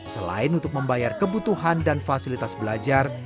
selain untuk membayar kebutuhan dan fasilitas belajar